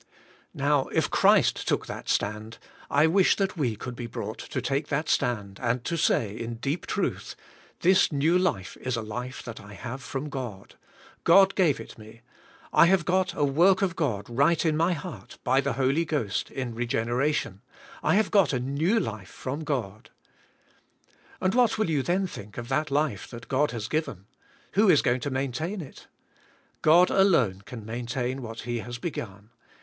Now, if Christ took that stand, I wish that we could be brought to take that stand, and to say, in deep truth, ''This new life is a life that I have from God. God gave it me. I have got a work of God right in my heart, by the Holy Ghost, in re generation. I have got a new life from God." And what will you then think of that life that God has given? Who is going to maintain it? God, alone, can maintain what He has begun.